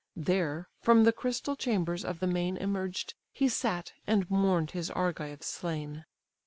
There, from the crystal chambers of the main Emerged, he sat, and mourn'd his Argives slain.